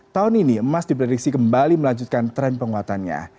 tahun ini emas diprediksi kembali melanjutkan tren penguatannya